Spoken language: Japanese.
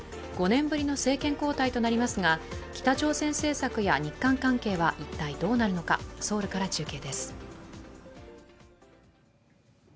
５年ぶりの政権交代となりますが、北朝鮮政策や日韓関係は一体どうなるのか、ソウルから中継です。